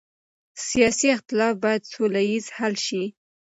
سیاسي اختلاف باید سوله ییز حل شي